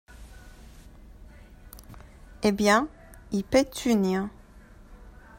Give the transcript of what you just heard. Eh bien, et Pétunia ?